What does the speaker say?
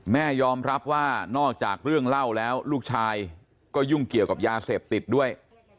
แม่ยอมรับว่านอกจากเรื่องเล่าแล้วลูกชายก็ยุ่งเกี่ยวกับยาเสพติดด้วย